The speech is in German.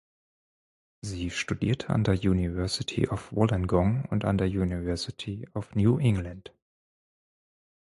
Sie studierte an der University of Wollongong und an der University of New England.